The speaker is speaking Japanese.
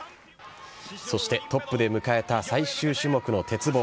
そしてトップで迎えた最終種目の鉄棒。